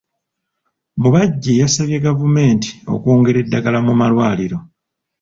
Mubajje yasabye gavumenti okwongera eddagala mu malwaliro.